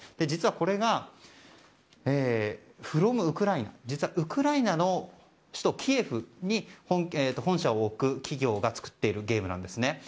実は、これがｆｒｏｍウクライナ実は、ウクライナの首都キエフに本社を置く企業が作っているゲームなんですね。